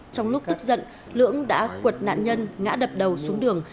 trong lúc tức giận lưỡng đã cuột nạn nhân ngã đập đầu xuống đường